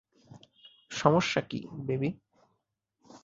সমস্যা কি, বেবি?